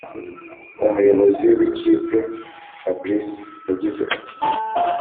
umuyobozi w’ikipe fabrice yagize ati “